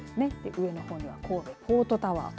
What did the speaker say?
上の方には神戸ポートタワーと。